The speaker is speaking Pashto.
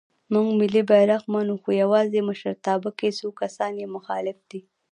مونږ ملی بیرغ منو خو یواځې مشرتابه کې څو کسان یې مخالف دی.